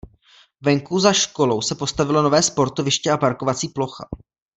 Venku za školou se postavilo nové sportoviště a parkovací plocha.